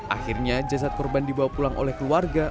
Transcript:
akhirnya jasad korban dibawa pulang oleh keluarga